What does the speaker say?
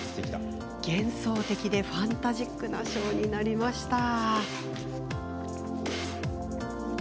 幻想的でファンタジックなショーになりました。